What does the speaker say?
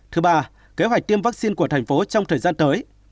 thứ ba kế hoạch tiêm vaccine của thành phố trong thời gian tới